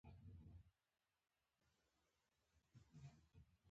بیزو د خپل غږ له لارې اړیکه نیسي.